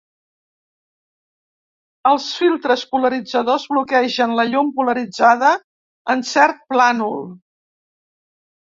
Els filtres polaritzadors bloquegen la llum polaritzada en cert plànol.